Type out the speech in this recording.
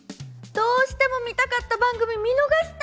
どうしても見たかった番組見逃した！